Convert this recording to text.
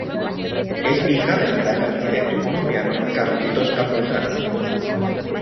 Es hija del gran arquitecto colombiano Carlitos Campuzano.